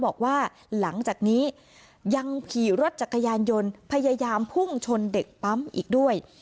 บอกว่าหลังจากนี้ยังขี่รถจักรยานยนต์พยายามพุ่งชนเด็กปั๊มอีกด้วย